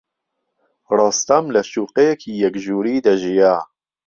ڕۆستەم لە شوقەیەکی یەک ژووری دەژیا.